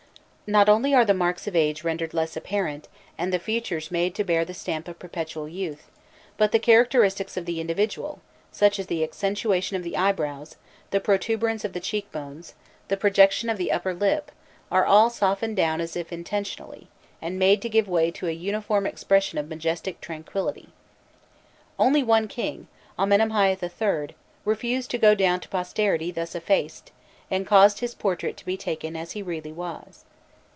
Not only are the marks of age rendered less apparent, and the features made to bear the stamp of perpetual youth, but the characteristics of the individual, such as the accentuation of the eyebrows, the protuberance of the cheek bones, the projection of the under lip, are all softened down as if intentionally, and made to give way to a uniform expression of majestic tranquillity. One king only, Amenemhâît III., refused to go down to posterity thus effaced, and caused his portrait to be taken as he really was.